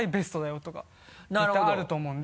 あると思うので。